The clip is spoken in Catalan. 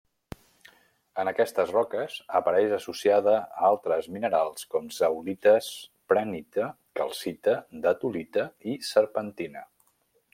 En aquestes roques apareix associada a altres minerals com zeolites, prehnita, calcita, datolita i serpentina.